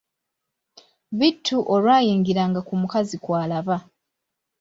Bittu olwayingira nga ku mukazi kw'alaba.